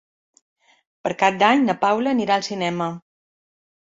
Per Cap d'Any na Paula anirà al cinema.